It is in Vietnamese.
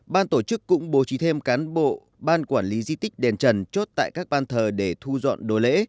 ban tổ chức cũng bố trí thêm cán bộ ban quản lý di tích đền trần chốt tại các ban thờ để thu dọn đồ lễ